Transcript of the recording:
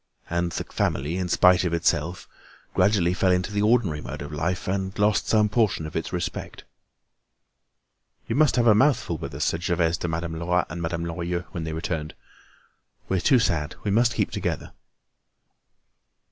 And the family, in spite of itself, gradually fell into the ordinary mode of life, and lost some portion of its respect. "You must have a mouthful with us," said Gervaise to Madame Lerat and Madame Lorilleux, when they returned. "We're too sad; we must keep together."